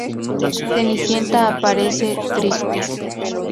Cenicienta aparece, triste.